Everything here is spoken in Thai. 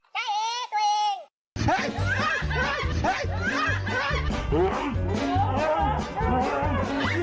ได้เองตัวเอง